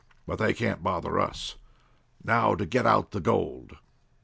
But they can't bother us. Now to get out the gold!"